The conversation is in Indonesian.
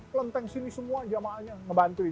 kelenteng sini semua jamaahnya ngebantuin